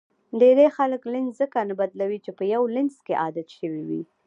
ډېری خلک لینز ځکه نه بدلوي چې په یو لینز کې عادت شوي وي.